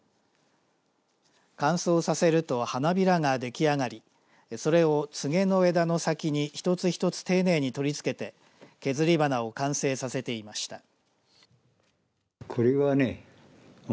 乾燥させると花びらができあがりそれをツゲの枝の先に一つ一つ丁寧に取り付けて削り花を完成させていました。